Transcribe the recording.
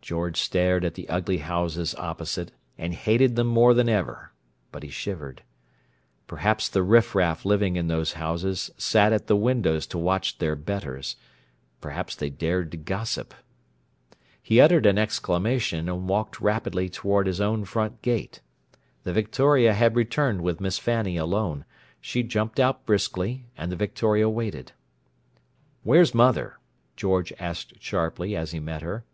George stared at the ugly houses opposite, and hated them more than ever; but he shivered. Perhaps the riffraff living in those houses sat at the windows to watch their betters; perhaps they dared to gossip— He uttered an exclamation, and walked rapidly toward his own front gate. The victoria had returned with Miss Fanny alone; she jumped out briskly and the victoria waited. "Where's mother?" George asked sharply, as he met her.